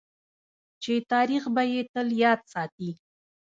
چې تاریخ به یې تل یاد ساتي.